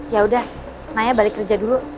yaudah naya balik kerja dulu